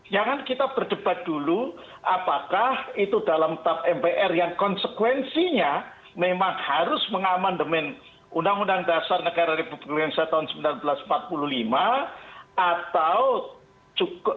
jangan kita berdebat dulu apakah itu dalam tap mpr yang konsekuensinya memang harus mengamandemen undang undang dasar negara republik indonesia tahun seribu sembilan ratus empat puluh lima atau cukup